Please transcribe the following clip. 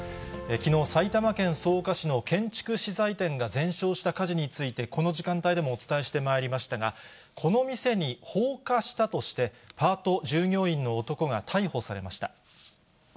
きのう、埼玉県草加市の建築資材店が全焼した火事について、この時間帯でもお伝えしてまいりましたが、この店に放火したとして、パート従業員の男が逮捕されました。